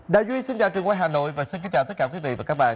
đại duy xin chào trường quay hà nội và xin kính chào tất cả quý vị